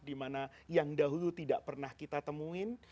dimana yang dahulu tidak pernah kita temuin